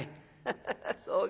「ハハハそうか。